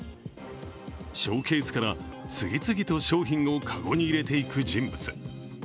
ショーケースから次々と商品を籠に入れていく人物。